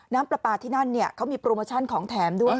น้ำปลาปลาที่นั่นเขามีโปรโมชั่นของแถมด้วย